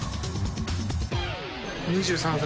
２３歳。